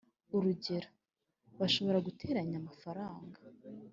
urugero:bashobora guteranya amafaranga